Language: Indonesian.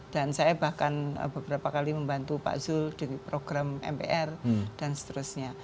dan saya bahkan beberapa kali membantu pak zul di program mpr dan seterusnya